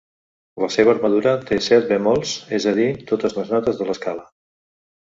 La seva armadura té set bemolls, és a dir, totes les notes de l'escala.